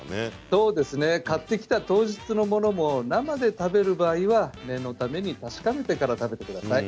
そうですね買ってきた当日のものも生で食べる場合は念のために確かめてから食べてください。